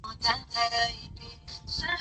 沙塘鳢碘泡虫为碘泡科碘泡虫属的动物。